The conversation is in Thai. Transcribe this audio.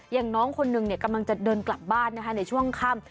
อย่างน้องคนหนึ่งกำลังจะเดินกลับบ้านในช่วงค่ำ